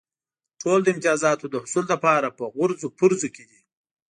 ټول د امتیازاتو د حصول لپاره په غورځو پرځو کې دي.